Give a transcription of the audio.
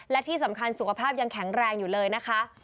และที่สำคัญสุขภาพยังแข็งแรงอยู่เลยนะคะ